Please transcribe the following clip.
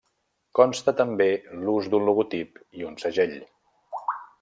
Consta també l'ús d'un logotip i un segell.